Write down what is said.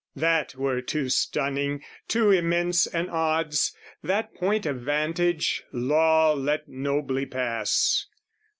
That were too stunning, too immense an odds: That point of vantage, law let nobly pass.